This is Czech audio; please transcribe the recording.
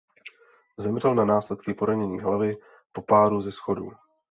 Zemřel na následky poranění hlavy po pádu ze schodů.